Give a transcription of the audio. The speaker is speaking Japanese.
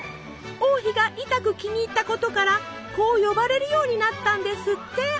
王妃がいたく気に入ったことからこう呼ばれるようになったんですって。